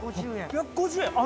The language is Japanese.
８５０円！